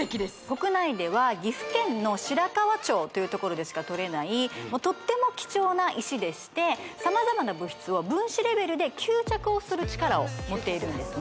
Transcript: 国内では岐阜県の白川町という所でしかとれないとっても貴重な石でして様々な物質を分子レベルで吸着をする力を持っているんですね